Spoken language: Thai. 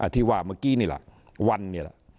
ที่ว่าเมื่อกี้นี่ล่ะวันนี้ล่ะ